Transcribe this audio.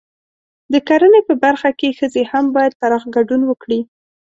د کرنې په برخه کې ښځې هم باید پراخ ګډون وکړي.